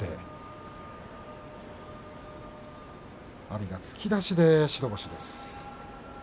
阿炎が突き出しで白星です。